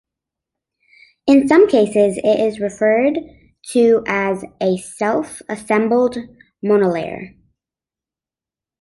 In some cases it is referred to as a self-assembled monolayer.